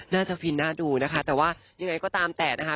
ฟินน่าดูนะคะแต่ว่ายังไงก็ตามแต่นะคะ